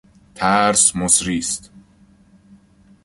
ترس مسری است.